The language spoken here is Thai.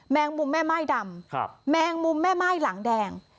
แมงมุมแม่ไม้ดำแมงมุมแม่ไม้หลังแดง